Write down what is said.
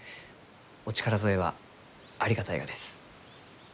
お力添えはありがたいがです。